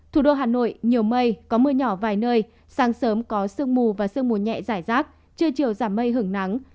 thủ đô hà nội nhiều mây có mưa nhỏ vài nơi sáng sớm có sương mù và sương mù nhẹ giải rác trưa chiều giảm mây hưởng nắng